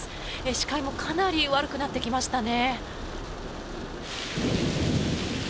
視界もかなり悪くなってきましたね。